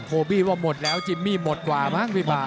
บี้ว่าหมดแล้วจิมมี่หมดกว่ามั้งพี่ป่า